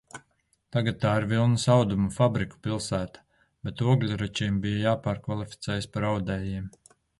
Tagad tā ir vilnas audumu fabriku pilsēta, bet ogļračiem bija jāpārkvalificējas par audējiem.